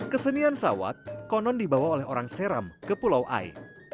kesenian sawat konon dibawa oleh orang seram ke pulau ai